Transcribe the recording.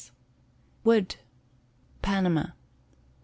Wood. Panama.